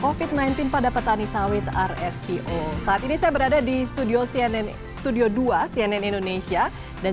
covid sembilan belas pada petani sawit rspo saat ini saya berada di studio cnn studio dua cnn indonesia dan